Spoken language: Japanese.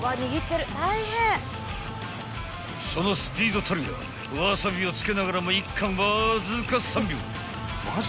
［そのスピードたるやわさびを付けながらも一貫わずか３秒］